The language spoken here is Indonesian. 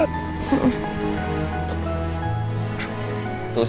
dan siapain zadinis